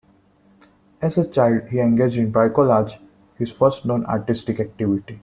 As a child he engaged in "bricolage" - his first known artistic activity.